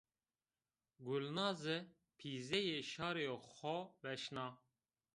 Gulnaze pîzeyê şarî xo veşna